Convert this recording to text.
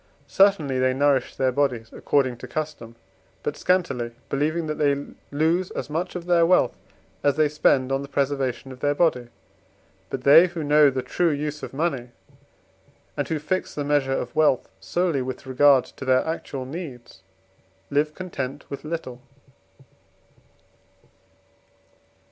Certainly they nourish their bodies, according to custom, but scantily, believing that they lose as much of their wealth as they spend on the preservation of their body. But they who know the true use of money, and who fix the measure of wealth solely with regard to their actual needs, live content with little.